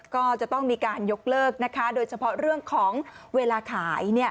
ก็จะต้องมีการยกเลิกนะคะโดยเฉพาะเรื่องของเวลาขาย